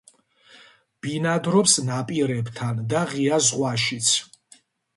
ბინადრობს ნაპირებთან და ღია ზღვაშიც.